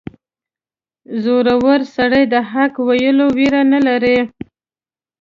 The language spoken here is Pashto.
• زړور سړی د حق ویلو ویره نه لري.